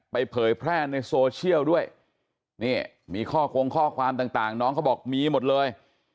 ไปเผยแพร่งในโซเชียลด้วยมีข้อความต่างน้องเขาบอกมีหมดเลย